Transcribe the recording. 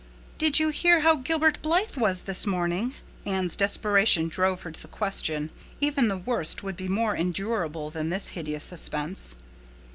"Did you hear how Gilbert Blythe was this morning?" Anne's desperation drove her to the question. Even the worst would be more endurable than this hideous suspense.